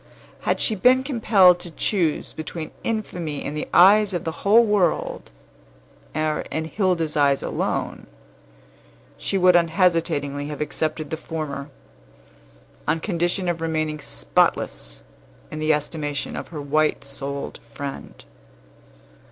Had she been compelled to choose between infamy in the eyes of the whole world, or in Hilda's eyes alone, she would unhesitatingly have accepted the former, on condition of remaining spotless in the estimation of her white souled friend.